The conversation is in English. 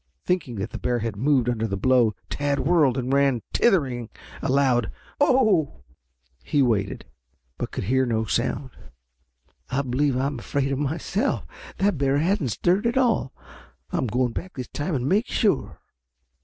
Thinking that the bear had moved under the blow, Tad whirled and ran tittering a loud "Oh!" He waited, but could hear no sound. "I believe I am afraid of myself. That bear hasn't stirred at all. I'm going back this time and make sure."